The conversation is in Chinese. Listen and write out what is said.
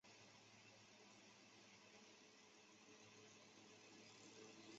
赠湖广按察使司佥事。